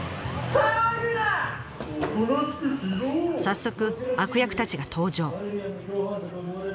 早速悪役たちが登場。